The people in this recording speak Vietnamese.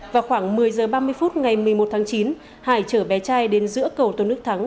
vào khoảng một mươi h ba mươi phút ngày một mươi một tháng chín hải chở bé trai đến giữa cầu tôn đức thắng